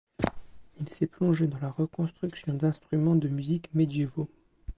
Il s'est plongé dans la reconstruction d'instruments de musique médiévaux.